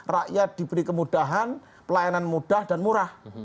rakyat diberi kemudahan pelayanan mudah dan murah